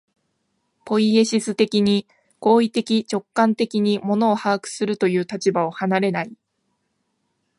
ポイエシス的に、行為的直観的に物を把握するという立場を離れない。